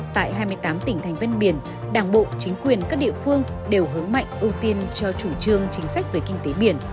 tại hai mươi tám tỉnh thành văn biển đảng bộ chính quyền các địa phương đều hướng mạnh ưu tiên cho chủ trương chính sách về kinh tế biển